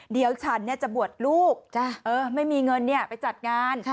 เดี๋ยวฉันเนี่ยจะบวชลูกไม่มีเงินเนี่ยไปจัดงาน